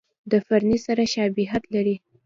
د فرني سره شباهت لري.